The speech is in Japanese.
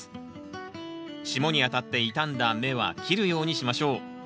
霜に当たって傷んだ芽は切るようにしましょう。